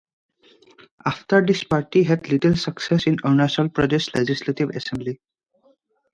After this party had little success in Arunachal Pradesh Legislative Assembly.